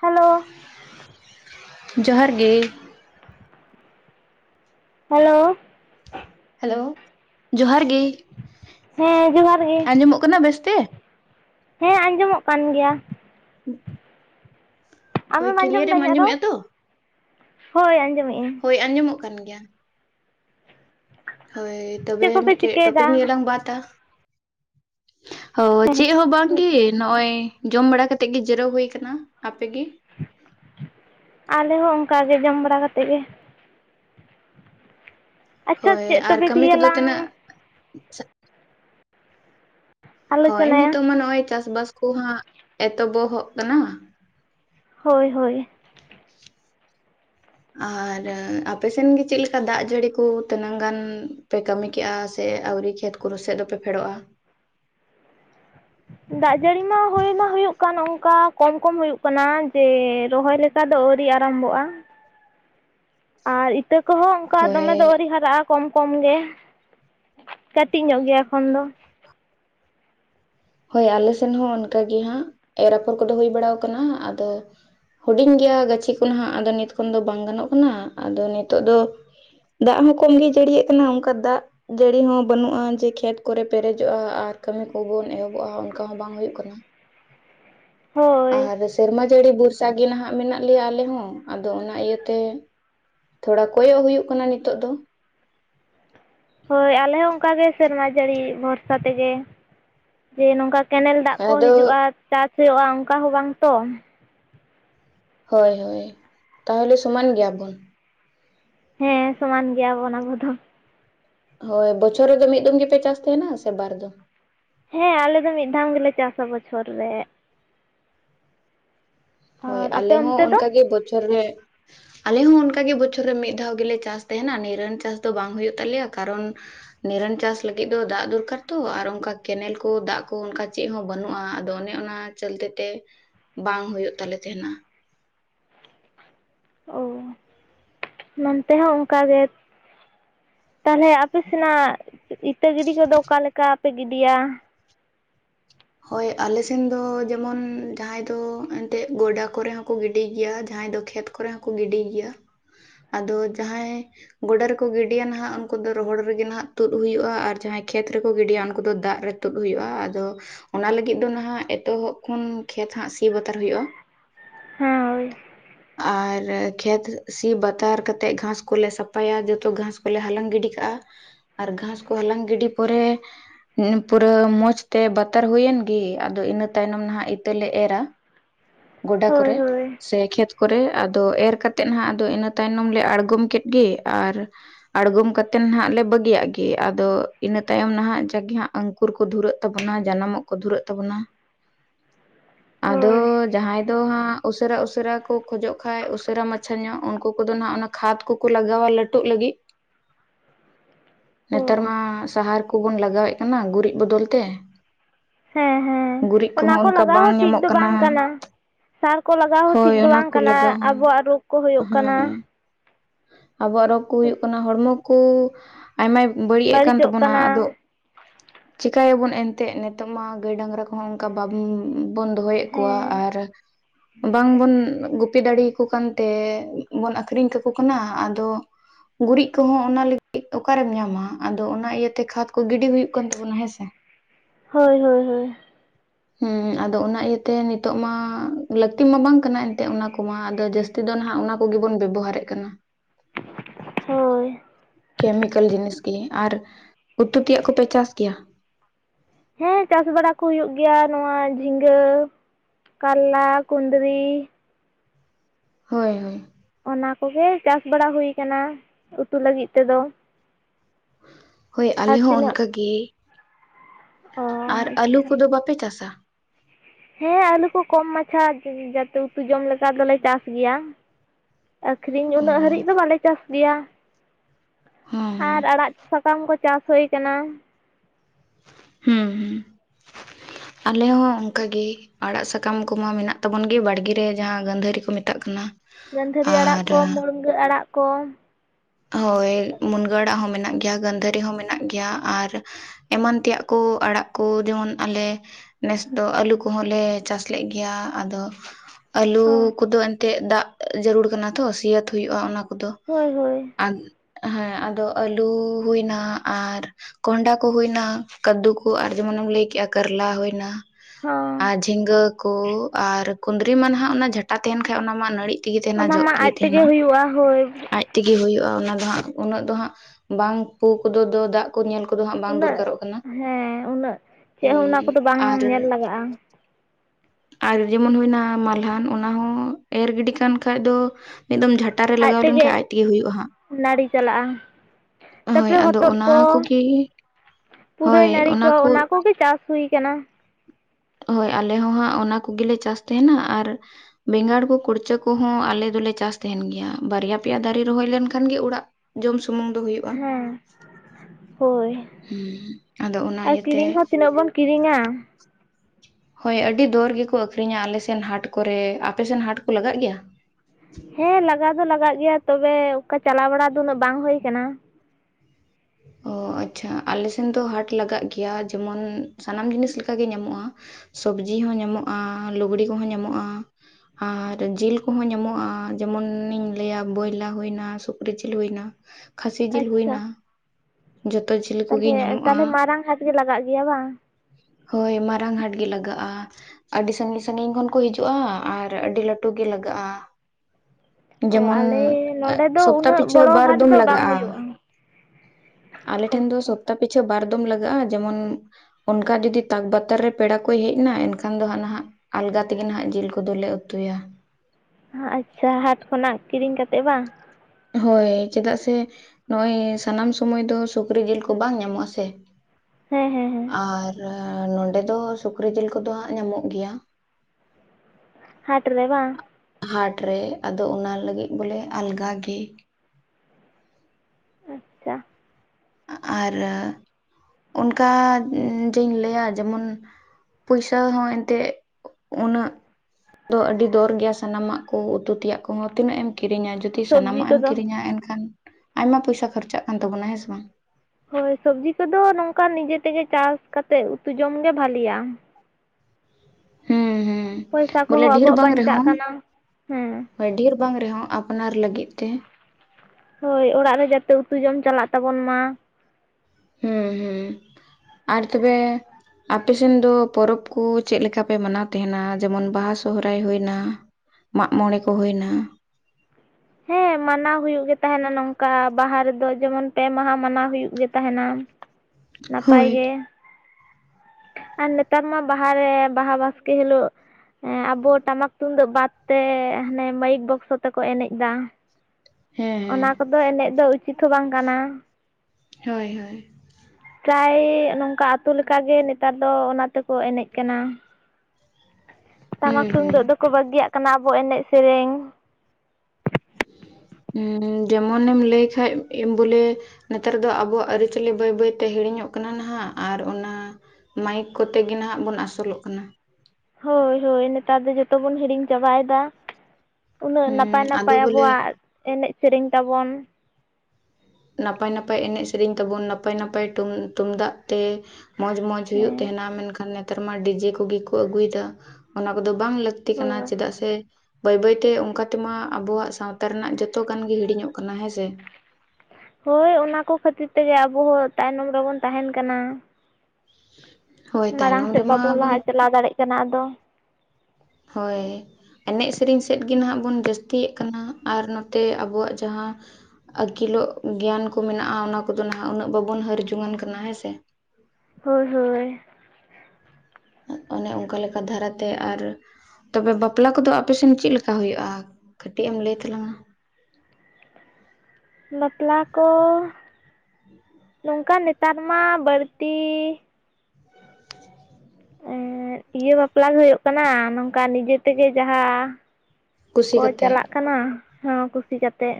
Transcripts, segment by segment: Hello. ᱡᱚᱸᱦᱟᱨ ᱜᱮ᱾ Hello. Hello, ᱡᱚᱸᱦᱟᱨ ᱜᱮ᱾ ᱦᱮᱸ, ᱡᱚᱸᱦᱟᱨ ᱜᱮ᱾ ᱟᱸᱡᱚᱢᱚᱜ ᱠᱟᱱᱟ ᱵᱮᱥᱛᱮ? ᱦᱮᱸ, ᱟᱸᱡᱚᱢᱚᱜ ᱠᱟᱱ ᱜᱮᱭᱟ᱾ ᱦᱳᱭ ᱟᱢᱮᱢ ᱠᱞᱤᱭᱟᱨ ᱟᱸᱡᱚᱢᱫᱟ ᱮᱢ ᱤᱧᱟᱜ ᱨᱚᱲ? ᱟᱸᱡᱚᱢᱮᱫᱼᱟ ᱛᱚ ᱦᱳᱭ ᱟᱸᱡᱚᱢᱮᱫ ᱟᱹᱧ᱾ ᱦᱳᱭ, ᱟᱸᱡᱚᱢᱚᱜ ᱠᱟᱱ ᱜᱮᱭᱟ᱾ ᱦᱳᱭ, ᱛᱚᱵᱮ ᱪᱮᱫ ᱠᱚᱯᱮ ᱢᱤᱫᱴᱮᱡ ᱪᱤᱠᱟᱹᱭᱮᱫᱟ ᱴᱚᱯᱤᱠ ᱱᱤᱭᱮ ᱞᱟᱝ ᱵᱟᱛᱼᱟ᱾ ᱚ ᱦᱮᱸ ᱪᱮᱫ ᱦᱚᱸ ᱦᱳᱭ ᱵᱟᱝᱜᱤ ᱱᱚᱜᱼᱚᱭ ᱡᱚᱢ ᱵᱟᱲᱟ ᱠᱟᱛᱮᱜ ᱜᱮ ᱡᱤᱨᱟᱹᱣ ᱦᱩᱭ ᱠᱟᱱᱟ᱾ ᱟᱯᱮᱜᱮ? ᱟᱞᱮ ᱦᱚᱸ ᱚᱱᱠᱟ ᱜᱮ ᱡᱚᱢ ᱵᱟᱲᱟ ᱠᱟᱛᱮᱜ ᱜᱮ᱾ ᱟᱪᱪᱷᱟ ᱦᱳᱭ, ᱪᱮᱫ ᱟᱨ ᱴᱚᱯᱤᱠ ᱠᱟᱹᱢᱤ ᱞᱤᱭᱮ ᱠᱚᱫᱚ ᱛᱤᱱᱟᱹᱜ ᱞᱟᱝ ᱥᱟ ᱦᱳᱭ ᱟᱞᱳᱪᱚᱱᱟᱭᱟ ᱱᱤᱛᱚᱜ ᱢᱟ ᱱᱚᱜᱼᱚᱭ ᱪᱟᱥ ᱵᱟᱥ ᱠᱚ ᱦᱟᱸᱜ ᱮᱛᱚᱵᱚᱦᱚᱜ ᱠᱟᱱᱟ᱾ ᱦᱳᱭ ᱦᱳᱭ᱾ ᱟᱨ ᱟᱯᱮ ᱥᱮᱱᱜᱤ ᱪᱮᱫ ᱞᱮᱠᱟ ᱫᱟᱜ ᱡᱟᱹᱲᱤ ᱠᱚ, ᱛᱤᱱᱟᱹᱝ ᱜᱟᱱ ᱯᱮ ᱠᱟᱹᱢᱤ ᱠᱮᱜᱼᱟ, ᱥᱮ ᱟᱹᱣᱨᱤ? ᱠᱷᱮᱛ ᱠᱚᱨᱮ ᱥᱮᱫ ᱫᱚᱯᱮ ᱯᱮ ᱯᱷᱮᱰᱚᱜᱼᱟ ᱫᱟᱜ ᱡᱟᱹᱲᱤ ᱢᱟ, ᱦᱩᱭ ᱢᱟ ᱦᱩᱭᱩᱜ ᱠᱟᱱ ᱚᱱᱠᱟ ᱠᱚᱢ ᱠᱚᱢ ᱦᱩᱭᱩᱜ ᱠᱟᱱᱟ, ᱡᱮ ᱨᱚᱦᱚᱭ ᱞᱮᱠᱟ ᱫᱚ ᱟᱹᱣᱨᱤ ᱟᱨᱟᱢ ᱵᱚᱜᱼᱟ᱾ ᱟᱨ, ᱤᱛᱟᱹ ᱠᱚᱦᱚᱸ ᱚᱱᱠᱟ ᱫᱚᱢᱮ ᱫᱚ ᱦᱳᱭ ᱟᱹᱣᱨᱤ ᱦᱟᱨᱟᱜᱼᱟ, ᱠᱚᱢ ᱠᱚᱢ ᱜᱮ, ᱠᱟᱹᱴᱤᱡ ᱧᱚᱜ ᱜᱮᱭᱟ ᱮᱠᱷᱚᱱ ᱫᱚ᱾ ᱦᱳᱭ ᱟᱞᱮ ᱥᱮᱱ ᱦᱚᱸ ᱚᱱᱠᱟ ᱜᱮ ᱦᱟᱸᱜ, ᱮᱨᱟᱯᱷᱚᱨ ᱠᱚᱫᱚ ᱦᱩᱭ ᱵᱟᱲᱟ ᱟᱠᱟᱱᱟ᱾ ᱟᱫᱚ ᱦᱩᱰᱤᱧ ᱜᱮᱭᱟ ᱜᱟᱹᱪᱷᱤ ᱠᱚ ᱱᱟᱦᱟᱜ, ᱟᱫᱚ ᱱᱤᱛ ᱠᱷᱚᱱ ᱫᱚ ᱵᱟᱝ ᱜᱟᱱᱚᱜ ᱠᱟᱱᱟ, ᱟᱫᱚ ᱱᱤᱛᱚᱜ ᱫᱚ ᱫᱟᱜ ᱦᱚᱸ ᱠᱚᱢ ᱜᱮ ᱡᱟᱹᱲᱤᱭᱟᱜ ᱠᱟᱱᱟ, ᱚᱱᱠᱟ ᱫᱟᱜ ᱡᱟᱹᱲᱤ ᱦᱚᱸ ᱵᱟᱹᱱᱩᱜᱼᱟ, ᱡᱮ ᱠᱷᱮᱛ ᱠᱚᱨᱮ ᱯᱮᱨᱮᱡᱚᱜᱼᱟ ᱟᱨ ᱠᱟᱹᱢᱤ ᱠᱚᱵᱚᱱ ᱮᱦᱚᱵ ᱚᱜᱼᱟ, ᱚᱱᱠᱟ ᱦᱚᱸ ᱵᱟᱝ ᱦᱩᱭᱩᱜ ᱠᱟᱱᱟ᱾ ᱦᱳᱭ ᱟᱨ ᱥᱮᱨᱢᱟ ᱡᱟᱹᱲᱤ ᱵᱚᱨᱥᱟ ᱜᱮ ᱱᱟᱦᱟᱜ ᱢᱮᱱᱟᱜ ᱞᱮᱭᱟ ᱟᱞᱮ ᱦᱚᱸ, ᱟᱫᱚ ᱚᱱᱟ ᱤᱭᱟᱹᱛᱮ ᱛᱷᱚᱲᱟ ᱠᱚᱭᱚᱜ ᱦᱩᱭᱩᱜ ᱠᱟᱱᱟ, ᱱᱤᱛᱚᱜ ᱫᱚ᱾ ᱦᱳᱭ, ᱟᱞᱮ ᱦᱚᱸ ᱚᱱᱠᱟᱜᱮ ᱥᱮᱨᱢᱟ ᱡᱟᱹᱲᱤ ᱵᱷᱚᱨᱥᱟ ᱛᱮᱜᱮ, ᱡᱮ ᱱᱚᱝᱠᱟ ᱠᱮᱱᱮᱞ ᱫᱟᱜ ᱠᱚ ᱟᱫᱚ ᱦᱤᱡᱩᱜᱼᱟ ᱪᱟᱥ ᱦᱩᱭᱩᱜᱼᱟ, ᱚᱱᱠᱟ ᱦᱚᱸ ᱵᱟᱝ ᱛᱚ᱾ ᱦᱳᱭ ᱦᱳᱭ, ᱛᱟᱦᱚᱞᱮ ᱥᱚᱢᱟᱱ ᱜᱮᱭᱟ ᱵᱚᱱ᱾ ᱦᱮᱸ, ᱥᱚᱢᱟᱱ ᱜᱮᱭᱟᱵᱚᱱ ᱟᱵᱚ ᱫᱚ᱾ ᱦᱳᱭ, ᱵᱚᱪᱷᱚᱨ ᱨᱮᱫᱚ ᱢᱤᱫ ᱫᱚᱢ ᱜᱮᱯᱮ ᱪᱟᱥ ᱛᱟᱸᱦᱮᱱᱟ, ᱥᱮ ᱵᱟᱨ ᱫᱚᱢ? ᱦᱮᱸ, ᱟᱞᱮ ᱫᱚ ᱢᱤᱫ ᱫᱷᱟᱢ ᱜᱮᱞᱮ ᱪᱟᱥᱼᱟ ᱵᱚᱪᱷᱚᱨ ᱨᱮ᱾ ᱦᱳᱭ, ᱟᱨ ᱟᱯᱮ ᱟᱞᱮ ᱦᱚᱸ ᱚᱱᱛᱮ ᱫᱚ ᱚᱱᱠᱟᱜᱮ ᱵᱚᱪᱷᱚᱨ ᱨᱮ ᱟᱞᱮ ᱦᱚᱸ ᱚᱱᱠᱟᱜᱮ ᱵᱚᱪᱷᱚᱨ ᱨᱮ ᱢᱤᱫ ᱫᱷᱟᱣ ᱜᱮᱞᱮ ᱪᱟᱥ ᱛᱟᱸᱦᱮᱱᱟ ᱱᱤᱨᱟᱹᱱ ᱪᱟᱥ ᱫᱚ ᱵᱟᱝ ᱦᱩᱭᱩᱜ ᱛᱟᱞᱮᱭᱟ, ᱠᱟᱨᱚᱱ ᱱᱤᱨᱚᱱ ᱪᱟᱥ ᱞᱟᱹᱜᱤᱫ ᱫᱚ ᱫᱟᱜ ᱫᱚᱨᱠᱟᱨ ᱛᱚ ᱟᱨ ᱚᱱᱠᱟ ᱠᱮᱱᱮᱞ ᱠᱚ ᱫᱟᱜ ᱠᱚ ᱚᱱᱠᱟ ᱪᱮᱫ ᱦᱚᱸ ᱵᱟᱹᱱᱩᱜᱼᱟ, ᱟᱫᱚ ᱚᱱᱮ ᱚᱱᱟ ᱚᱱᱟ ᱪᱚᱞᱛᱮ ᱛᱮ ᱵᱟᱝ ᱦᱩᱭᱩᱜ ᱛᱟᱞᱮ ᱛᱟᱸᱦᱮᱱᱟ᱾ ᱚ ᱱᱚᱱᱛᱮ ᱦᱚᱸ ᱚᱱᱠᱟ ᱜᱮ᱾ ᱛᱟᱦᱚᱞᱮ ᱟᱯᱮ ᱥᱮᱱᱟᱜ ᱤᱛᱟᱹ ᱜᱤᱰᱤ ᱠᱚᱫᱚ ᱚᱠᱟᱞ ᱞᱮᱠᱟ ᱯᱮ ᱜᱤᱰᱤᱭᱟ? ᱦᱟᱭ ᱟᱞᱮ ᱥᱮᱱ ᱫᱚ ᱡᱮᱢᱚᱱ ᱡᱟᱸᱦᱟᱭ ᱫᱚ ᱮᱱᱛᱮᱫ ᱜᱚᱰᱟ ᱠᱚᱨᱮ ᱦᱚᱸᱠᱚ ᱜᱤᱰᱤ ᱜᱮᱭᱟ ᱡᱟᱸᱦᱟᱭ ᱫᱚ ᱠᱷᱮᱛ ᱠᱚᱨᱮ ᱦᱚᱸᱠᱚ ᱜᱤᱰᱤ ᱜᱮᱭᱟ᱾ ᱟᱫᱚ ᱡᱟᱦᱟᱸᱭ ᱜᱚᱰᱟ ᱨᱮᱠᱚ ᱜᱤᱰᱤᱭᱟ ᱱᱟᱦᱟᱜ ᱩᱱᱠᱩ ᱫᱚ ᱨᱚᱦᱚᱲ ᱨᱮᱜᱮ ᱱᱟᱦᱟᱜ ᱛᱩᱫ ᱦᱩᱭᱩᱜᱼᱟ ᱟᱨ ᱡᱟᱸᱦᱟᱭ ᱠᱷᱮᱛ ᱨᱮᱠᱚ ᱜᱤᱰᱤᱭᱟ ᱩᱱᱠᱩ ᱫᱚ ᱫᱟᱜ ᱨᱮ। ᱛᱩᱫ ᱦᱩᱭᱩᱜᱼᱟ ᱟᱫᱚ ᱚᱱᱟ ᱞᱟᱹᱜᱤᱫ ᱫᱚ ᱱᱟᱦᱟᱜ ᱮᱛᱚᱦᱚᱵ ᱠᱷᱚᱱ ᱠᱷᱮᱛ ᱦᱟᱸᱜ ᱥᱤ ᱵᱟᱛᱟᱨ ᱦᱩᱭᱩᱜᱳᱼᱟ। ᱦᱮᱸ ᱦᱚᱭ। ᱟᱨ ᱠᱷᱮᱛ ᱥᱤ ᱵᱟᱛᱟᱨ ᱠᱟᱛᱮᱫ ᱜᱷᱟᱥ ᱠᱚᱞᱮ ᱥᱟᱯᱷᱟᱭᱟ, ᱡᱚᱛᱚ ᱜᱷᱟᱥ ᱠᱚᱞᱮ ᱦᱟᱞᱟᱝ ᱜᱤᱰᱤ ᱠᱟᱜᱼᱟ। ᱟᱨ ᱜᱷᱟᱥ ᱠᱚ ᱦᱟᱞᱟᱝ ᱜᱤᱰᱤ ᱯᱚᱨᱮ ᱯᱩᱨᱟᱹ ᱢᱚᱸᱡᱽ ᱛᱮ ᱵᱟᱛ ᱞᱟᱛᱟᱨ ᱦᱩᱭᱮᱱ ᱜᱮ ᱟᱫᱚ ᱤᱱᱟᱹ ᱛᱟᱭᱱᱚᱢ ᱱᱟᱦᱟᱜ ᱤᱛᱟᱹ ᱠᱮ ᱮᱨᱟ ᱜᱚᱰᱟ ᱦᱳᱭ ᱠᱚᱨᱮ ᱦᱳᱭ ᱥᱮ ᱠᱷᱮᱛ ᱠᱚᱨᱮ ᱟᱫᱚ ᱮᱨ ᱠᱟᱛᱮᱮᱫ ᱦᱟᱸᱜ ᱟᱫᱚ ᱤᱱᱟᱹ ᱛᱟᱭᱱᱚᱢ ᱞᱮ ᱟᱬᱜᱚᱢ ᱠᱮᱫ ᱜᱮ ᱟᱨ ᱟᱬᱜᱚᱢ ᱠᱟᱛᱮᱜ ᱱᱟᱦᱟᱜ ᱞᱮ ᱵᱟᱹᱜᱤᱭᱟᱜ ᱜᱮ ᱟᱫᱚ ᱤᱱᱟᱹ ᱛᱟᱭᱚᱢ ᱱᱟᱦᱟᱜ ᱡᱟᱜᱮ ᱦᱟᱜ ᱟᱝᱠᱩᱨ ᱠᱚ ᱫᱷᱩᱨᱟᱹᱜ ᱛᱟᱵᱚᱱᱟ᱾ ᱡᱟᱱᱟᱢᱚᱜ ᱠᱚ ᱫᱷᱩᱨᱟᱹᱜ ᱛᱟᱵᱚᱱᱟ ᱾ ᱦ [inaudible] ᱟᱫᱚ ᱡᱟᱦᱟᱸᱭ ᱫᱚ ᱦᱟᱸᱜ ᱩᱥᱟᱹᱨᱟ ᱩᱥᱟᱹᱨᱟ ᱠᱚ ᱠᱷᱚᱡᱚᱜ ᱠᱷᱟᱡ ᱩᱥᱟᱹᱨᱟ ᱢᱟᱪᱷᱟ ᱧᱚᱜ ᱩᱱᱠᱩ ᱠᱚᱫᱚ ᱦᱟᱜ ᱚᱱᱟ ᱠᱷᱟᱫᱽ ᱠᱚᱠᱚ ᱞᱟᱜᱟᱣᱟ ᱞᱟᱹᱴᱩᱜ ᱞᱟᱹᱜᱤᱫ ᱾ [inaudible] ᱱᱮᱛᱟᱨ ᱚ ᱢᱟ ᱥᱟᱦᱟᱨ ᱠᱚᱵᱚᱱ ᱞᱟᱜᱟᱣᱮᱫ ᱠᱟᱱᱟ ᱜᱩᱨᱤᱡ ᱵᱚᱫᱚᱞ ᱛᱮ ᱾ ᱦᱮᱸ ᱦᱮᱸ ᱚᱱᱟ ᱠᱚᱦᱚᱸ ᱠᱚ ᱚᱱᱠᱟ ᱞᱟᱜᱟᱣ ᱵᱟᱝ ᱦᱚᱸ ᱴᱷᱤᱠ ᱧᱟᱢᱚᱜ ᱫᱚ ᱵᱟᱝ ᱠᱟᱱᱟ ᱾ ᱥᱟᱨ ᱠᱚ ᱞᱟᱜᱟᱣ ᱦᱚᱸ ᱴᱷᱤᱠ ᱦᱳᱭ ᱫᱚ ᱚᱱᱟ ᱵᱟᱝ ᱠᱚ ᱠᱟᱱᱟ ᱞᱟᱜᱟᱣ ᱦᱚᱸ ᱟᱵᱚᱣᱟᱜ ᱨᱚᱜᱽ ᱠᱚ ᱦᱩᱭᱩᱜ ᱠᱟᱱᱟ ᱦᱮᱸ ᱾ ᱟᱵᱚᱣᱟᱜ ᱨᱚᱜᱽ ᱠᱚ ᱦᱩᱭᱩᱜ ᱠᱟᱱᱟ, ᱦᱚᱲᱢᱚ ᱠᱚ ᱟᱭᱢᱟᱭ ᱵᱟᱹᱲᱤᱡ ᱮᱫ ᱠᱟᱱ ᱵᱟᱹᱲᱤᱡᱚᱜ ᱛᱟᱵᱚᱱᱟ ᱠᱟᱱᱟ ᱾ ᱟᱫᱚ ᱪᱤᱠᱟ ᱭᱟᱵᱚᱱ ᱮᱱᱛᱮᱫ ᱱᱤᱛᱚᱜ ᱢᱟ ᱜᱟᱹᱭ ᱰᱟᱝᱨᱟ ᱠᱚᱦᱚᱸ ᱚᱱᱠᱟ ᱵᱟᱵᱚᱱ ᱵᱚᱱ ᱫᱚᱦᱚᱭᱮᱫ ᱠᱚᱣᱟ ᱦᱮᱸ ᱟᱨ ᱵᱟᱝ ᱵᱩᱱ ᱜᱩᱯᱤ ᱫᱟᱲᱮ ᱟᱠᱚ ᱠᱟᱱ ᱛᱮ ᱵᱚᱱ ᱟᱠᱷᱨᱤᱧ ᱠᱟᱹ ᱠᱩ ᱠᱟᱱᱟ ᱾ ᱟᱫᱚ ᱜᱩᱨᱤᱡ ᱠᱚᱦᱚᱸ ᱚᱱᱟ ᱞᱟᱹᱜᱤᱫ ᱚᱠᱟᱨᱮᱢ ᱧᱟᱢᱟ ᱟᱫᱚ ᱚᱱᱟ ᱤᱭᱟᱹᱛᱮ ᱠᱷᱟᱫᱽ ᱠᱚ ᱜᱤᱰᱤ ᱦᱩᱭᱩᱜ ᱠᱟᱱ ᱛᱟᱵᱚᱱᱟ ᱦᱮᱸᱥᱮ᱾ ᱦᱚᱭ ᱦᱚᱭ ᱦᱚᱭ ᱾ ᱦᱮᱸ ᱟᱫᱚ ᱚᱱᱟ ᱤᱭᱟᱹᱛᱮ ᱱᱤᱛᱚᱜ ᱢᱟ ᱞᱟᱹᱠᱛᱤ ᱢᱟ ᱵᱟᱝ ᱠᱟᱱᱟ ᱮᱱᱛᱮᱜ ᱚᱱᱟ ᱠᱚᱢᱟ ᱟᱫᱚ ᱡᱟᱹᱥᱛᱤ ᱛᱮᱫᱚ ᱱᱟᱦᱟᱜ ᱚᱱᱟ ᱠᱚᱜᱮ ᱵᱚᱱ ᱵᱮᱵᱚᱦᱟᱨᱮᱫ ᱠᱟᱱᱟ ᱾ ᱦᱚᱭ ᱾ ᱠᱮᱢᱤᱠᱮᱞ ᱡᱤᱱᱤᱥ ᱜᱮ, ᱟᱨ ᱩᱛᱩ ᱛᱮᱭᱟᱜ ᱠᱚᱯᱮ ᱪᱟᱥ ᱜᱮᱭᱟ? ᱦᱮᱸ ᱪᱟᱥ ᱵᱟᱲᱟ ᱠᱚ ᱦᱩᱭᱩᱜ ᱜᱮᱭᱟ ᱱᱚᱣᱟ ᱡᱷᱤᱱᱜᱟᱹ, ᱠᱟᱨᱞᱟ, ᱠᱩᱫᱽᱨᱤ ᱦᱟᱭ ᱦᱟᱭ ᱾ ᱚᱱᱟ ᱠᱚᱜᱮ ᱪᱟᱥ ᱵᱟᱲᱟ ᱦᱩᱭ ᱟᱠᱟᱱᱟ ᱩᱛᱩ ᱞᱟᱹᱜᱤᱫ ᱛᱮᱫᱚ ᱾ ᱦᱚᱭ ᱟᱞᱮ ᱦᱚᱸ ᱛᱤᱱᱟᱹᱜ ᱚᱱᱠᱟᱟᱜᱮ ᱾ ᱚ ᱟᱨ ᱟᱹᱞᱩ ᱟᱪᱪᱷᱟ ᱠᱚᱫᱚ ᱵᱟᱯᱮ ᱪᱟᱥᱟ? ᱦᱮᱸ ᱟᱞᱩ ᱠᱚ ᱠᱚᱢ ᱢᱟᱪᱷᱟ, ᱡᱟᱛᱮ ᱩᱛᱩ ᱡᱚᱢ ᱞᱮᱠᱟ ᱫᱚᱞᱮ ᱪᱟᱥ ᱜᱮᱭᱟ ᱾ ᱟᱹᱠᱷᱨᱤᱧ ᱚ ᱩᱱᱟᱹᱜ ᱦᱚᱸ ᱦᱟᱹᱨᱤᱡ ᱫᱚ ᱵᱟᱞᱮ ᱪᱟᱥ ᱜᱮᱭᱟ ᱾ ᱦᱚᱸ ᱟᱨ ᱟᱲᱟᱜ ᱥᱟᱠᱟᱢ ᱠᱚ ᱪᱟᱥ ᱦᱩᱭ ᱠᱟᱱᱟ ᱾ ᱦᱩᱸ ᱦᱩᱸ ᱟᱞᱮ ᱦᱚᱸ ᱚᱱᱠᱟ ᱜᱮ ᱾ ᱟᱲᱟᱜ ᱥᱟᱠᱟᱢ ᱠᱚᱢᱟ ᱢᱮᱱᱟᱜ ᱛᱟᱵᱚᱱ ᱜᱮ ᱵᱟᱲᱜᱮ ᱨᱮ ᱡᱟᱦᱟᱸ ᱜᱟᱹᱫᱷᱟᱹᱨᱤ ᱠᱚ ᱢᱮᱛᱟᱜ ᱠᱟᱱᱟ ᱾ ᱜᱟᱺᱫᱷᱟᱹᱨᱤ ᱟᱲᱟᱜ ᱠᱚ, ᱢᱩᱱᱜᱟᱹ ᱟᱲᱟᱜ ᱠᱚ ᱾ ᱦᱚᱭ ᱢᱩᱱᱜᱟᱹ ᱟᱲᱟᱜ ᱦᱚᱸ ᱢᱮᱱᱟᱜ ᱜᱮᱭᱟ, ᱜᱟᱹᱫᱷᱟᱹᱨᱤ ᱦᱚᱸ ᱢᱮᱱᱟᱜ ᱜᱮᱭᱟ ᱟᱨ ᱮᱢᱟᱱ ᱛᱮᱭᱟᱜ ᱠᱚ ᱟᱲᱟᱜ ᱠᱚ ᱡᱮᱢᱚᱱ ᱟᱞᱮ ᱱᱮᱥ ᱫᱚ ᱟᱹᱞᱩ ᱠᱚᱦᱚᱸ ᱞᱮ ᱪᱟᱥ ᱞᱮᱜ ᱜᱮᱭᱟ ᱾ ᱟᱫᱚ ᱟᱹᱞᱩ ᱚ ᱠᱚᱫᱚ ᱮᱱᱛᱮᱫ ᱫᱟᱜ ᱡᱟᱹᱨᱩᱲ ᱠᱟᱱᱟ ᱛᱚ ᱥᱤᱭᱟᱹᱠ ᱦᱩᱭᱩᱜᱼᱟ ᱚᱱᱟ ᱠᱚᱫᱚ ᱾ ᱦᱚᱭ ᱦᱚᱭ ᱾ ᱦᱮᱸ ᱟᱫᱚ ᱟᱹᱞᱩ ᱦᱩᱭᱱᱟ ᱟᱨ ᱠᱚᱸᱦᱰᱟ ᱠᱚ ᱦᱩᱭᱱᱟ, ᱠᱟᱹᱫᱫᱩ ᱠᱚ ᱟᱨ ᱡᱮᱢᱚᱱᱮ ᱮᱢ ᱞᱟᱹᱭ ᱠᱮᱫᱼᱟ ᱠᱟᱨᱞᱟ ᱦᱩᱭᱱᱟ ᱾ ᱦᱚᱸ ᱟᱨ ᱡᱷᱤᱸᱜᱟᱹ ᱠᱚ ᱟᱨ ᱠᱩᱸᱫᱽᱨᱤ ᱢᱟ ᱱᱟᱦᱟᱜ ᱚᱱᱟ ᱡᱷᱟᱴᱟ ᱛᱟᱦᱮᱱ ᱠᱷᱟᱡ ᱚᱱᱟ ᱢᱟ ᱱᱟᱹᱲᱤᱜ ᱛᱮᱜᱮ ᱛᱟᱦᱮᱱᱟ ᱚᱱᱟ ᱡᱚᱜ ᱢᱟ ᱛᱮᱜᱮ ᱟᱡ ᱛᱟᱦᱮᱱᱟ ᱦᱩᱭᱩᱜᱼᱟ ᱦᱳᱭ ᱾ ᱟᱡ ᱛᱮᱜᱮ ᱦᱩᱭᱩᱜᱼᱟ, ᱚᱱᱟ ᱫᱚ ᱦᱟᱸᱜ ᱩᱱᱟᱹᱜ ᱫᱚ ᱦᱟᱸᱜ ᱵᱟᱝ ᱩᱩ ᱠᱚᱫᱚ ᱫᱚ ᱫᱟᱜᱼᱼ ᱦᱠᱩ ᱧᱮᱞ ᱠᱚᱫᱚ ᱦᱟᱸᱜ ᱵᱟᱝ ᱩᱱᱟᱹᱜ ᱫᱚᱨᱠᱟᱨᱚᱜ ᱠᱟᱱᱟ, ᱦᱮᱸ ᱩᱱᱟᱹᱜ ᱪᱮᱫ ᱦᱚᱸ ᱚᱱᱟ ᱠᱚᱫᱚ ᱟᱨᱼᱼ ᱵᱟᱝ [unintelligible] ᱟᱨ ᱡᱮᱢᱚᱱ ᱦᱩᱭᱱᱟ ᱢᱟᱞᱦᱟᱱ ᱚᱱᱟ ᱦᱚᱸ ᱮᱨ ᱜᱤᱰᱤ ᱠᱟᱱ ᱠᱷᱟᱡ ᱫᱚ ᱢᱤᱫᱫᱚᱢ ᱡᱷᱟᱴᱼᱼ ᱴᱟ ᱨᱮ ᱞᱟᱜᱟᱣ ᱞᱮᱱᱠᱷᱷᱡ ᱟᱡ ᱛᱮᱜᱮ ᱦᱩᱭᱩᱜᱼᱟ ᱦᱟᱸᱜ᱾ ᱱᱟᱹᱲᱤ ᱪᱟᱞᱟᱜᱼᱟ ᱦᱳᱭ ᱛᱟᱯᱚᱨᱮ ᱟᱫᱚ ᱦᱚᱛᱚᱫ ᱚᱱᱟ ᱠᱚ ᱠᱚᱜᱮᱼᱼ ᱯᱩᱨᱟᱹᱭ ᱱᱟᱲᱤ ᱠᱚ ᱚᱱᱟ ᱠᱚᱜᱮ ᱪᱟᱥ ᱦᱩᱭ ᱠᱟᱱᱟ᱾ ᱦᱳᱭ ᱟᱞᱮ ᱦᱚᱸ ᱦᱟᱸᱜ ᱚᱱᱟ ᱠᱚᱜᱮᱞᱮ ᱪᱟᱥ ᱛᱟᱦᱮᱱᱟ, ᱟᱨᱼᱼ ᱵᱮᱸᱜᱟᱲ ᱠᱚ ᱠᱩᱲᱪᱟᱹ ᱠᱚᱦᱚᱸ ᱟᱞᱮ ᱫᱚᱞᱮ ᱪᱟᱥ ᱛᱟᱦᱮᱱ ᱜᱮᱭᱟ ᱵᱟᱨᱭᱟ ᱯᱮᱭᱟ ᱫᱟᱨᱮ ᱨᱚᱦᱚᱭ ᱞᱮᱱᱠᱷᱟᱱ ᱜᱮ ᱚᱲᱟᱜᱼᱼ ᱡᱚᱢ ᱥᱩᱢᱩᱝ ᱫᱚ ᱦᱩᱭᱩᱜ᱾ ᱦᱮᱸ ᱦᱳᱭ ᱦᱩᱸ ᱟᱫᱚ ᱚᱱᱟ ᱟᱨ ᱤᱭᱟᱹᱛᱮ ᱠᱤᱨᱤᱧ ᱦᱚᱸ ᱛᱤᱱᱟᱹᱜ ᱵᱚᱱᱼᱼ ᱠᱤᱨᱤᱧᱟ᱾ ᱦᱚᱭ, ᱟᱹᱰᱤ ᱫᱚᱨ ᱜᱮᱠᱚ ᱟᱠᱠᱷᱨᱤᱧᱟ ᱟᱞᱮᱥᱮᱱ ᱦᱟᱴ ᱠᱚᱨᱮ, ᱟᱯᱮᱥᱮᱱ ᱦᱟᱴ ᱠᱚ ᱞᱟᱜᱟᱜ ᱜᱮᱭᱟ? ᱦᱮᱸ ᱞᱟᱜᱟᱣ ᱫᱚ ᱞᱟᱜᱟᱜ ᱜᱮᱭᱟ ᱛᱚᱵᱮ ᱚᱠᱟ ᱪᱟᱞᱟᱣ ᱵᱟᱲᱟ ᱫᱚ ᱩᱱᱠᱟᱹᱜ ᱵᱟᱝ ᱦᱩᱭ ᱠᱟᱱᱟ᱾ ᱚᱸ ᱟᱪᱪᱷᱟ ᱟᱞᱮ ᱥᱮᱱ ᱫᱚ ᱦᱟᱴ ᱞᱟᱜᱟᱜ ᱜᱮᱭᱟ ᱡᱮᱢᱚᱱ ᱥᱟᱱᱟᱢ ᱡᱤᱱᱤᱥ ᱞᱮᱠᱟᱜ ᱜᱮ ᱧᱟᱢᱚᱜᱼᱟ᱾ ᱥᱚᱵᱽᱡᱤ ᱦᱚᱸ ᱧᱟᱢᱚᱜᱼᱟ, ᱞᱩᱜᱽᱲᱤ ᱠᱚᱦᱚᱸ ᱧᱟᱢᱚᱜᱼᱟ᱾ ᱟᱨ ᱡᱤᱞ ᱠᱚᱦᱚᱸ ᱧᱟᱢᱚᱜᱼᱟ ᱡᱮᱢᱚᱱᱤᱧ ᱞᱟᱹᱭᱟ ᱵᱚᱭᱞᱟ ᱦᱩᱭᱱᱟ ᱥᱩᱠᱨᱤ ᱡᱤᱞ ᱦᱩᱭᱱᱟ᱾ ᱠᱷᱟᱹᱥᱤ ᱡᱤᱞ ᱦᱩᱭᱱᱟ ᱡᱚᱛᱚ ᱡᱤᱞᱼᱼ ᱛᱟᱞᱦᱮ ᱛᱟᱞᱦᱮ ᱢᱟᱨᱟᱝ ᱦᱟᱴ ᱜᱮ ᱞᱟᱜᱟᱜ ᱜᱮᱭᱟ ᱵᱟᱝ? ᱦᱳᱭ ᱢᱟᱨᱟᱝ ᱦᱟᱴ ᱜᱮ ᱞᱟᱜᱟᱜᱼᱟ। ᱟᱹᱰᱤ ᱥᱟᱹᱜᱤᱧ ᱥᱟᱹᱜᱤᱧ ᱠᱷᱚᱱ ᱠᱚ ᱦᱤᱡᱩᱜᱼᱟ, ᱟᱨ ᱟᱹᱰᱤ ᱞᱟᱹᱴᱩ ᱜᱤ ᱞᱟᱜᱟᱜᱼᱟ᱾ [inaudible] ᱡᱮᱢᱚᱱ ᱟᱞᱮ ᱱᱚᱰᱮ ᱫᱚ ᱥᱚᱯᱛᱟ ᱩᱱᱟᱹᱜ ᱯᱤᱪᱷᱟᱹ ᱵᱚᱲᱚ ᱵᱟᱨ ᱦᱟᱴ ᱫᱚᱢ ᱫᱚ ᱵᱟᱝ ᱞᱟᱜᱟᱜᱼᱟ᱾ ᱦᱩᱭᱩᱜᱼᱟ ᱟᱞᱮ ᱴᱷᱮᱱ ᱫᱚ ᱟᱪᱪᱷᱟ ᱥᱚᱯᱛᱟᱦ ᱯᱤᱪᱷᱟᱹ ᱵᱟᱨ ᱫᱚᱢ ᱞᱟᱜᱟᱜᱼᱟ, ᱡᱮᱢᱚᱱᱼᱼ ᱚᱱᱠᱟ ᱡᱩᱫᱤ ᱛᱟᱠ ᱵᱟᱛᱟᱨ ᱨᱮ ᱯᱮᱲᱟ ᱠᱚᱭ ᱦᱮᱡ ᱮᱱᱟ ᱮᱱᱠᱷᱟᱱ ᱫᱚ ᱦᱚᱸ ᱱᱟᱦᱟᱸᱜᱼᱼ ᱟᱞᱜᱟ ᱛᱮᱜᱫ ᱱᱟᱦᱟᱸᱜ ᱡᱤᱞ ᱠᱚᱫᱚᱞᱮ ᱩᱛᱩᱭᱟ᱾ ᱟᱪᱪᱷᱟ ᱦᱟᱴ ᱠᱷᱚᱱᱟᱜ ᱠᱤᱨᱤᱧ ᱠᱟᱛᱮᱫ ᱵᱟᱝ? ᱦᱳᱭ, ᱪᱮᱫᱟᱜ ᱥᱮ ᱱᱚᱜᱼᱚᱭ ᱥᱟᱱᱟᱢ ᱥᱚᱢᱚᱭ ᱫᱚ ᱥᱩᱠᱨᱤ ᱡᱤᱞ ᱠᱚ ᱵᱟᱝ ᱧᱟᱢᱚᱜᱼᱟ ᱥᱮ ᱦᱮᱸ ᱦᱮᱸ ᱦᱮᱸ ᱟᱨ ᱱᱚᱸᱰᱮ ᱫᱚ ᱥᱩᱠᱨᱤ ᱡᱤᱞ ᱠᱚᱫᱚ ᱦᱟᱸᱜ ᱧᱟᱢᱚᱜ ᱜᱮᱭᱟ। ᱦᱟᱴ ᱨᱮ ᱵᱟᱝ? ᱦᱟᱴ ᱨᱮ ᱟᱫᱚ ᱚᱱᱟ ᱞᱟᱹᱜᱤᱫ ᱵᱚᱞᱮ ᱟᱞᱜᱟ ᱜᱤ। ᱟᱪᱪᱷᱟ। ᱟᱨ ᱚᱱᱠᱟ ᱡᱮᱧ ᱞᱟᱹᱭᱟ ᱡᱮᱢᱚᱱᱼᱼ ᱯᱚᱭᱥᱟ ᱦᱚᱸ ᱮᱱᱛᱮ ᱩᱱᱟᱹᱜᱼᱼ ᱫᱚ ᱟᱹᱰᱤ ᱫᱚᱨ ᱜᱮᱭᱟ ᱥᱟᱱᱟᱢᱟᱜ ᱠᱚ ᱩᱛᱩ ᱛᱮᱭᱟᱜ ᱠᱚᱦᱚᱸ ᱛᱤᱱᱟᱹᱜ ᱮᱢᱼᱼ ᱠᱤᱨᱤᱧᱟ ᱡᱩᱫᱤ ᱥᱚᱵᱽᱡᱤ ᱥᱟᱱᱟᱢᱟᱜ ᱮᱢ ᱠᱚᱫᱚ ᱠᱤᱨᱤᱧᱟ ᱮᱱᱠᱷᱟᱱ ᱟᱭᱢᱟ ᱯᱚᱭᱥᱟ ᱠᱷᱚᱨᱪᱟᱜ ᱠᱟᱱ ᱛᱟᱵᱚᱱᱟ, ᱦᱮᱸ ᱥᱮ ᱵᱟᱝ? ᱦᱳᱭ ᱥᱚᱵᱽᱡᱤ ᱠᱚᱫᱚ ᱱᱚᱝᱠᱟ ᱱᱤᱡᱮ ᱛᱮᱜᱮ ᱪᱟᱥ ᱠᱟᱛᱮᱜ ᱩᱛᱩ ᱡᱚᱢ ᱜᱮ ᱵᱷᱟᱞᱤᱭᱟ᱾ ᱦᱩᱸ ᱦᱩᱸ᱾ ᱯᱚᱭᱥᱟ ᱵᱚᱞᱮ ᱠᱚᱦᱚᱸ ᱰᱷᱮᱨ ᱟᱵᱚᱣᱟᱜ ᱵᱟᱝ ᱵᱟᱧᱪᱟᱜ ᱨᱮᱦᱚᱸ ᱠᱟᱱᱟ ᱦᱮᱸ᱾ ᱦᱳᱭ ᱰᱷᱮᱨ ᱵᱟᱝ ᱨᱮᱦᱚᱸ ᱟᱯᱱᱟᱨ ᱞᱟᱹᱜᱤᱫ ᱛᱮ᱾ ᱦᱳᱭ ᱚᱲᱟᱜ ᱨᱮ ᱡᱟᱛᱮ ᱩᱛᱩ ᱡᱚᱢ ᱪᱟᱞᱟᱜ ᱛᱟᱵᱚᱱ ᱢᱟ᱾ ᱦᱩᱸ ᱦᱩᱸ, ᱟᱨ ᱛᱚᱵᱮᱼᱼ ᱟᱯᱮ ᱥᱮᱱ ᱫᱚ ᱯᱚᱨᱚᱵᱽ ᱠᱚ ᱪᱮᱫ ᱞᱮᱠᱟ ᱯᱮ ᱢᱟᱱᱟᱣ ᱛᱮᱦᱮᱱᱟ, ᱡᱮᱢᱚᱱ ᱵᱟᱦᱟ ᱥᱚᱨᱟᱭ ᱦᱩᱭᱱᱟ᱾ ᱢᱟᱜᱽ ᱢᱚᱬᱮ ᱠᱚ ᱦᱩᱭᱱᱟ᱾ ᱦᱮᱸ ᱢᱟᱱᱟᱣ ᱦᱩᱭᱩᱜ ᱜᱮ ᱛᱟᱦᱮᱱᱟ ᱱᱚᱝᱠᱟ ᱵᱟᱦᱟ ᱨᱮᱫᱚ ᱡᱮᱢᱚᱱ ᱯᱮ ᱢᱟᱦᱟ ᱢᱟᱱᱟᱣ ᱦᱩᱭᱩᱜ ᱜᱮ ᱛᱟᱦᱮᱱᱟ᱾ ᱱᱟᱯᱟᱭ ᱦᱳᱭ, ᱜᱮ᱾ ᱟᱨ ᱱᱮᱛᱟᱨ ᱢᱟ ᱵᱟᱦᱟᱨᱮ ᱵᱟᱦᱟ ᱵᱟᱥᱠᱮ ᱦᱤᱞᱳᱜ᱾ ᱦᱮᱸ ᱟᱵᱚ ᱴᱟᱢᱟᱠ ᱛᱩᱢᱫᱟᱹᱜ ᱵᱟᱫ ᱛᱮ ᱦᱟᱱᱮ ᱢᱟᱹᱭᱤᱠ ᱵᱚᱠᱥᱚ ᱛᱮᱠᱚ ᱮᱱᱮᱡ ᱫᱟ᱾ ᱦᱮᱸ ᱦᱮᱸ᱾ ᱚᱱᱟ ᱠᱚᱫᱚ ᱮᱱᱮᱡ ᱫᱚ ᱩᱪᱤᱛ ᱦᱚᱸ ᱵᱟᱝ ᱠᱟᱱᱟ᱾ ᱦᱳᱭ ᱦᱳᱭ᱾ ᱡᱟᱭ ᱱᱚᱝᱠᱟ ᱟᱹᱛᱳ ᱞᱮᱠᱟ ᱜᱮ ᱱᱮᱛᱟᱨ ᱫᱚ ᱚᱱᱟ ᱛᱮᱠᱚ ᱮᱱᱮᱡ ᱠᱟᱱᱟ᱾ ᱴᱟᱢᱟᱠ ᱦᱩᱸ ᱦᱩᱸ᱾ ᱛᱩᱢᱫᱟᱹᱜ ᱫᱚᱠᱚ ᱵᱟᱹᱜᱤᱭᱟᱜ ᱠᱟᱱᱟ ᱟᱵᱚ ᱮᱱᱮᱡ ᱥᱮᱨᱮᱧ, ᱩᱸ, ᱡᱮᱢᱚᱱᱮᱢ ᱞᱟᱹᱭ ᱠᱷᱟᱡ ᱮᱢ ᱵᱚᱞᱮ, ᱱᱮᱛᱟᱨ ᱫᱚ ᱟᱵᱚᱣᱟᱜ ᱟᱹᱨᱤᱪᱟᱹᱞᱤ ᱵᱟᱹᱭ ᱵᱟᱹᱭᱛᱮ ᱦᱤᱲᱤᱧᱚᱜ ᱠᱟᱱᱟ ᱱᱟᱦᱟᱸᱜ ᱟᱨ ᱚᱱᱟ, ᱢᱟᱭᱤᱠ ᱠᱚᱛᱮ ᱜᱮ ᱱᱟᱦᱟᱜ ᱵᱚᱱ ᱟᱥᱩᱞᱚᱜ ᱠᱟᱱᱟ᱾ ᱦᱳᱭ ᱦᱳᱭ ᱱᱮᱛᱟᱨ ᱫᱚ ᱡᱚᱛᱚ ᱵᱚᱱ ᱦᱤᱲᱤᱧ ᱪᱟᱵᱟᱭᱮᱫᱟ᱾ ᱩᱱᱟᱹᱜ ᱱᱟᱯᱟᱭ ᱦᱩᱸ ᱟᱫᱚ ᱱᱟᱯᱟᱭ ᱵᱚᱞᱮ ᱟᱵᱚᱣᱟᱜ ᱮᱱᱮᱡ ᱥᱮᱨᱮᱧ ᱛᱟᱵᱚᱱ᱾ ᱱᱟᱯᱟᱭ ᱱᱟᱯᱟᱭ ᱮᱱᱮᱡ ᱥᱮᱨᱮᱧ ᱛᱟᱵᱚᱱ ᱱᱟᱯᱟᱭ ᱱᱟᱯᱟᱭ ᱴᱩᱢ ᱛᱩᱢᱫᱟᱜ ᱛᱮ, ᱢᱚᱸᱡᱽ ᱢᱚᱸᱡᱽ ᱦᱩᱭᱩᱜ ᱦᱮᱸ ᱛᱮᱦᱮᱱᱟ, ᱢᱮᱱᱠᱷᱟᱱ ᱱᱮᱛᱟᱨ ᱢᱟ ᱰᱤᱡᱮ ᱠᱩᱜᱤ ᱠᱚ ᱟᱹᱜᱩᱭᱫᱟ᱾ ᱚᱱᱟ ᱠᱚᱫᱚ ᱵᱟᱝ ᱞᱟᱹᱠᱛᱤ ᱠᱟᱱᱟ᱾ ᱦᱳᱭ ᱪᱮᱫᱟᱜ ᱥᱮ? ᱵᱟᱹᱭ ᱵᱟᱹᱭᱛᱮ ᱚᱝᱠᱟ ᱛᱮᱢᱟ ᱟᱵᱚᱣᱟᱜ ᱥᱟᱸᱶᱛᱟ ᱨᱮᱱᱟᱜ ᱡᱚᱛᱚ ᱜᱟᱱ ᱜᱮ ᱦᱤᱲᱤᱧᱚᱜ ᱠᱟᱱᱟ ᱦᱮᱸ ᱥᱮ᱾ ᱦᱳᱭ ᱚᱱᱟᱠᱚ ᱠᱷᱟᱹᱛᱤᱨ ᱛᱮᱜᱮ ᱟᱵᱚ ᱦᱚᱸ ᱛᱟᱭᱱᱚᱢ ᱨᱮᱵᱚᱱ ᱛᱟᱦᱮᱱ ᱠᱟᱱᱟ᱾ ᱦᱳᱭ ᱢᱟᱲᱟᱝ ᱛᱟᱭᱱᱚᱢ ᱥᱮᱫ ᱨᱮᱢᱟ ᱵᱟᱵᱚ ᱵᱚᱱ ᱞᱟᱦᱟ ᱪᱟᱞᱟᱣ ᱫᱟᱲᱮᱭᱟᱜ ᱠᱟᱱᱟ ᱟᱫᱚ᱾ ᱦᱳᱭ᱾ ᱮᱱᱮᱡ ᱥᱤᱨᱤᱧ ᱥᱮᱫ ᱜᱮ ᱱᱟᱦᱟᱜ ᱵᱚᱱ ᱡᱟᱹᱥᱛᱤᱭᱮᱜ ᱠᱟᱱᱟ ᱟᱨ ᱱᱚᱛᱮ ᱟᱵᱚᱣᱟᱜ ᱡᱟᱦᱟᱸ, ᱟᱹᱠᱤᱞᱚᱜ ᱜᱮᱭᱟᱱ ᱠᱚ ᱢᱮᱱᱟᱜᱼᱟ ᱚᱱᱟ ᱠᱚᱫᱚ ᱱᱟᱦᱟᱜ ᱩᱱᱟᱹᱜ ᱵᱟᱵᱚᱱ ᱦᱟᱹᱨ ᱡᱚᱝᱟᱱ ᱠᱟᱱᱟ ᱦᱮᱸ ᱥᱮ᱾ ᱦᱳᱭ ᱦᱳᱭ᱾ ᱚᱱᱮ ᱚᱝᱠᱟ ᱞᱮᱠᱟ ᱫᱷᱟᱨᱟᱛᱮ ᱟᱨ ᱛᱚᱵᱮ ᱵᱟᱯᱞᱟ ᱠᱚᱫᱚ ᱟᱯᱮᱥᱮᱱ ᱪᱮᱫ ᱞᱮᱠᱟ ᱦᱳᱭᱳᱜᱼᱟ ᱠᱷᱟᱹᱴᱤᱡ ᱮᱢ ᱞᱟᱹᱭ ᱛᱟᱞᱟᱝᱟ᱾ ᱵᱟᱯᱞᱟ ᱠᱚ, ᱱᱚᱝᱠᱟ ᱱᱮᱛᱟᱨ ᱢᱟ ᱵᱟᱹᱲᱛᱤ ᱮᱸᱫᱽ ᱤᱭᱟᱹ ᱵᱟᱯᱞᱟ ᱜᱮ ᱦᱳᱭᱳᱜ ᱠᱟᱱᱟ ᱱᱚᱝᱠᱟ ᱱᱤᱡᱮ ᱛᱮᱜᱮ ᱡᱟᱸᱦᱟ, ᱠᱩᱥᱤ ᱠᱚ ᱠᱟᱛᱮᱜ ᱪᱟᱞᱟᱜ ᱠᱟᱱᱟ, ᱦᱚᱸ ᱠᱩᱥᱤ ᱠᱟᱛᱮᱫ᱾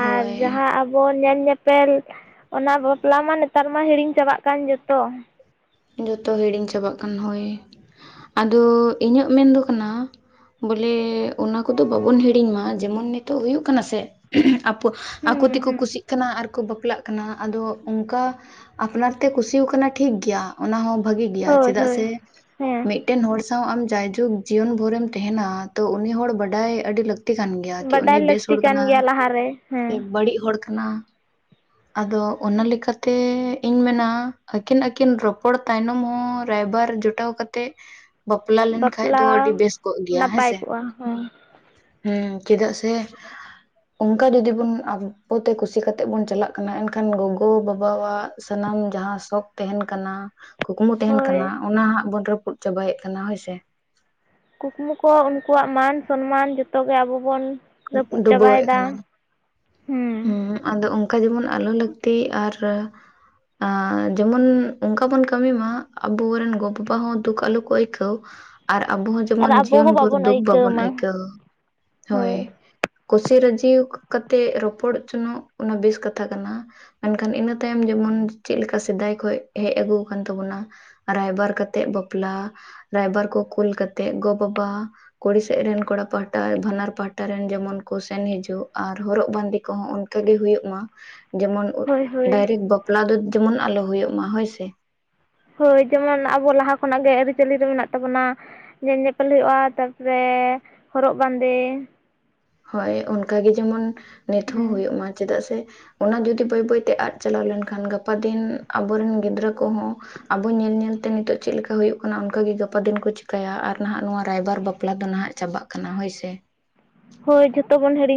ᱟᱨ ᱦᱳᱭ ᱡᱟᱦᱟᱸ ᱟᱵᱚ ᱧᱮᱞ ᱧᱮᱯ ᱯᱮᱞ ᱚᱱᱟ ᱵᱟᱯᱞᱟ ᱢᱟ ᱱᱮᱛᱟᱨ ᱢᱟ ᱦᱤᱲᱤᱧ ᱪᱟᱵᱟᱜ ᱠᱟᱱ ᱡᱚᱛᱚ᱾ ᱡᱚᱛᱚ ᱦᱤᱲᱤᱧ ᱪᱟᱵᱟᱜ ᱠᱟᱱ ᱦᱳᱭ, ᱟᱫᱚ ᱤᱧᱟᱹᱜ ᱢᱮᱱ ᱫᱚ ᱠᱟᱱᱟ᱾ ᱵᱚᱞᱮ ᱚᱱᱟ ᱠᱚᱫᱚ ᱵᱟᱵᱚᱱ ᱦᱤᱲᱤᱧ ᱢᱟ, ᱡᱮᱢᱚᱱ ᱱᱤᱛᱚᱜ ᱦᱩᱭᱩᱜ ᱠᱟᱱᱟ ᱥᱮ? ᱟᱯᱳ ᱟᱠᱚᱛᱮ ᱦᱩᱸ ᱠᱚ ᱦᱩᱸ ᱠᱩᱥᱤᱜ ᱠᱟᱱᱟ ᱟᱨ ᱠᱚ ᱵᱟᱯᱞᱟᱜ ᱠᱟᱱᱟ ᱟᱫᱚ ᱚᱝᱠᱟ ᱟᱯᱱᱟᱨ ᱛᱮ ᱠᱩᱥᱤᱣᱚ ᱠᱟᱱᱟᱭ ᱴᱷᱤᱠ ᱜᱮᱭᱟ᱾ ᱚᱱᱟ ᱦᱚᱸ ᱵᱷᱟᱜᱮ ᱜᱮᱭᱟ ᱦᱳᱭ ᱪᱮᱫᱟᱜ ᱦᱳᱭ ᱥᱮ? ᱦᱮᱸ ᱢᱤᱫ ᱢᱤᱫᱴᱮᱱ ᱦᱚᱲ ᱥᱟᱸᱶ ᱟᱢ ᱡᱟᱭᱡᱩᱜᱽ ᱡᱤᱭᱚᱱ ᱵᱷᱳᱨᱮᱢ ᱛᱮᱦᱮᱱᱟ ᱛᱚ ᱩᱱᱤ ᱦᱚᱲ ᱵᱟᱰᱟᱭ ᱟᱹᱰᱤ ᱞᱟᱹᱠ ᱞᱟᱹᱠᱛᱤ ᱠᱟᱱ ᱜᱮᱭᱟ, ᱠᱤ ᱩᱱᱤ ᱵᱟᱰᱟᱭ ᱵᱮᱥ ᱦᱚᱲ ᱞᱟᱹᱠᱛᱤ ᱠᱟᱱᱟ ᱠᱟᱱ ᱜᱮᱭᱟ ᱞᱟᱦᱟᱨᱮ ᱥᱮ ᱦᱮᱸ ᱵᱟᱹᱲᱤᱡ ᱦᱚᱲ, ᱠᱟᱱᱟ, ᱟᱫᱚ ᱚᱱᱟ ᱞᱮᱠᱟᱛᱮ ᱤᱧ ᱢᱮᱱᱟ ᱟᱹᱠᱤᱱ ᱟᱹᱠᱤᱱ ᱨᱳ ᱯᱚᱲ ᱛᱟᱭᱱᱚᱢ ᱦᱚᱸ ᱨᱟᱭᱵᱟᱨ ᱡᱚᱴᱟᱣ ᱠᱟᱛᱮᱫ᱾ ᱵᱟᱯᱞᱟ ᱞᱮᱱᱠᱷᱟᱡ ᱫᱚ ᱵᱟᱯᱞᱟ ᱟᱹᱰᱤ ᱵᱮᱥ ᱠᱚᱜ ᱜᱮᱭᱟ ᱱᱟᱯᱟᱭ ᱦᱮᱸᱥᱮ? ᱠᱚᱜᱼᱟ ᱦᱮᱸ ᱦᱮᱸ ᱪᱮᱫᱟᱜ ᱥᱮ? ᱚᱝᱠᱟ ᱡᱩᱫᱤ ᱵᱚᱱ, ᱟᱵᱚᱛᱮ ᱠᱩᱥᱤ ᱠᱟᱛᱮᱜ ᱵᱚᱱ ᱪᱟᱞᱟᱜ ᱠᱟᱱᱟ ᱮᱱᱠᱷᱟᱱ ᱜᱚᱜᱚ ᱵᱟᱵᱟᱣᱟᱜ, ᱥᱟᱱᱟᱢ ᱡᱟᱦᱟᱸ ᱥᱚᱠ ᱛᱮᱦᱮᱱ ᱠᱟᱱᱟ᱾ ᱠᱩᱠᱢᱩ ᱛᱮᱦᱮᱱ ᱦᱳᱭ ᱠᱟᱱᱟ ᱚᱱᱟ ᱦᱟᱸᱜ ᱵᱚᱱ ᱨᱟᱹᱯᱩᱫ ᱪᱟᱵᱟᱭᱮᱜ ᱠᱟᱱᱟ ᱦᱳᱭ ᱥᱮ? ᱠᱩᱠᱢᱩ ᱠᱚ ᱩᱱᱠᱩᱣᱟᱜ ᱢᱟᱱ ᱥᱚᱱᱢᱟᱱ ᱡᱚᱛᱚᱜᱮ ᱟᱵᱚ ᱵᱚᱱ᱾ ᱨᱟᱹᱯᱩᱫ ᱰᱩᱵᱟᱹᱣᱮᱜ ᱪᱟᱵᱟᱭᱮᱫᱟ ᱠᱟᱱᱟ᱾ ᱦᱩᱸ ᱦᱩᱸᱜ, ᱟᱫᱚ ᱚᱝᱠᱟ ᱡᱮᱢᱚᱱ ᱟᱞᱚ ᱞᱟᱹᱠᱛᱤ ᱟᱨ, ᱟ ᱡᱮᱢᱚᱱ ᱚᱱᱠᱟ ᱵᱚᱱ ᱠᱟᱹᱢᱤ ᱢᱟ ᱟᱵᱚ ᱨᱮᱱ ᱜᱚᱼᱵᱟᱵᱟ ᱦᱚᱸ ᱫᱩᱠ ᱟᱞᱚ ᱠᱚ ᱟᱹᱭᱠᱟᱹᱣ᱾ ᱟᱨ ᱟᱵᱚ ᱦᱚᱸ ᱟᱨ ᱡᱮᱢᱚᱱ ᱟᱵᱚ ᱡᱤᱭᱚᱱ ᱦᱚᱸ ᱵᱷᱳᱨ ᱫᱩᱠ ᱟᱹᱭᱠᱟᱹᱣ ᱵᱟᱵᱚᱱ ᱢᱟ ᱟᱹᱭᱠᱟᱹᱣ ᱦᱳᱭ᱾ ᱠᱩᱥᱤ ᱨᱟᱹᱡᱤᱣ ᱠᱟᱛᱮᱜ ᱨᱚᱯᱚᱲ ᱪᱚᱱᱚᱜ ᱚᱱᱟ ᱵᱮᱥ ᱠᱟᱛᱷᱟ ᱠᱟᱱᱟ᱾ ᱢᱮᱱᱠᱷᱟᱱ ᱤᱱᱟᱹ ᱛᱟᱭᱚᱢ ᱡᱮᱢᱚᱱ ᱪᱮᱫ ᱞᱮᱠᱟ ᱥᱮᱫᱟᱭ ᱠᱷᱚᱡ ᱦᱮᱜ ᱟᱹᱜᱩ ᱠᱟᱱ ᱛᱟᱵᱚᱱᱟ᱾ ᱨᱟᱭᱵᱟᱨ ᱠᱟᱛᱮᱜ ᱵᱟᱯᱞᱟ᱾ ᱨᱟᱭᱵᱟᱨ ᱠᱚ ᱠᱩᱞ ᱠᱟᱛᱮᱜ ᱜᱚ ᱵᱟᱵᱟ ᱠᱩᱲᱤ ᱥᱮᱜ ᱨᱮᱱ ᱠᱚᱲᱟ ᱯᱟᱦᱴᱟ ᱵᱷᱟᱱᱟᱨ ᱯᱟᱦᱟᱴ ᱴᱟ ᱨᱮᱱ ᱡᱮᱢᱚᱱ ᱠᱚ ᱥᱮᱱ ᱦᱤᱡᱩᱜ ᱟᱨ ᱦᱚᱨᱚᱜ ᱵᱟᱸᱫᱮ ᱠᱚᱸᱦᱚᱸ ᱚᱱᱠᱟ ᱜᱮ ᱦᱩᱭᱩᱜ ᱢᱟ᱾ ᱡᱮᱢᱚᱱ ᱦᱳᱭ ᱦᱳᱭ ᱰᱟᱭᱨᱮᱠ ᱵᱟᱯᱞᱟ ᱫᱚ ᱡᱮᱢᱚᱱ ᱟᱞᱚ ᱦᱩᱭᱩᱜ ᱢᱟ ᱦᱳᱭ ᱥᱮ᱾ ᱦᱳᱭ ᱡᱮᱢᱚᱱ ᱟᱵᱚ ᱞᱟᱦᱟ ᱠᱷᱚᱱᱟᱜ ᱜᱮ ᱟᱹᱨᱤ ᱪᱟᱹᱞᱤ ᱨᱮ ᱢᱮᱱᱟᱜ ᱛᱟᱵᱚᱱᱟ᱾ ᱧᱮᱞ ᱧᱮᱯᱮᱞ ᱦᱳᱭᱳᱜᱼᱟ ᱛᱟᱨᱯᱚᱨᱮ ᱦᱚᱨᱚᱜ ᱵᱟᱸᱫᱮ ᱾ ᱦᱳᱭ ᱚᱱᱠᱟᱜᱮ ᱡᱮᱢᱚᱱ ᱱᱤᱛ ᱦᱚᱸ ᱦᱩᱸ ᱦᱳᱭᱳᱜ ᱢᱟ ᱪᱮᱫᱟᱜ ᱥᱮ᱾ ᱚᱱᱟ ᱡᱩᱫᱤ ᱵᱟᱹᱭ ᱵᱟᱹᱭ ᱛᱮ ᱟᱫ ᱪᱟᱞᱟᱣ ᱞᱮᱱᱠᱷᱟᱱ ᱜᱟᱯᱟᱫᱤᱱ ᱟᱵᱚᱨᱮᱱ ᱜᱤᱫᱽᱨᱟᱹ ᱠᱚᱦᱚᱸ᱾ ᱟᱵᱚ ᱧᱮᱞ ᱧᱮᱞᱛᱮ ᱱᱤᱛᱚᱜ ᱪᱮᱫᱞᱮᱠᱟ ᱦᱩᱭᱩᱜ ᱠᱟᱱᱟ ᱚᱱᱠᱟᱜᱮ ᱜᱟᱯᱟ ᱫᱤᱱ ᱠᱚ ᱪᱤᱠᱟᱹᱭᱟ ᱟᱨ ᱱᱟᱦᱟᱜ ᱱᱚᱣᱟ ᱨᱟᱭᱵᱟᱨ ᱵᱟᱯᱞᱟ ᱫᱚ ᱱᱟᱦᱟᱜ᱾ ᱪᱟᱵᱟᱜ ᱠᱟᱱᱟ ᱦᱳᱭ ᱥᱮ᱾ ᱦᱳᱭ ᱡᱚᱛᱚ ᱵᱚᱱ ᱦᱤᱲᱤᱧ᱾